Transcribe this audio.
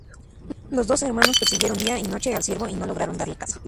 Los dos hermanos persiguieron día y noche al ciervo y no lograron darle caza.